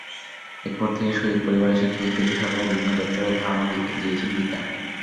এরপর থেকে শহীদ পরিবারের স্বীকৃতি পেতে সরকারের বিভিন্ন দপ্তরে ধরনা দিয়েছেন গীতা।